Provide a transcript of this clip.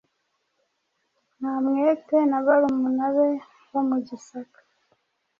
Ntamwete na barumuna be bo mu Gisaka